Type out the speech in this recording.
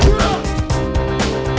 kau harus hafal penuh ya